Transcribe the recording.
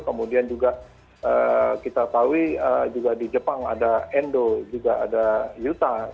kemudian juga kita tahu juga di jepang ada endo juga ada yuta